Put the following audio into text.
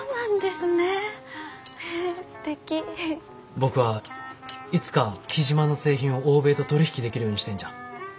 僕はいつか雉真の製品を欧米と取り引きできるようにしたいんじゃ。